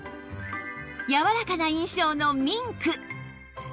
やわらかな印象のミンク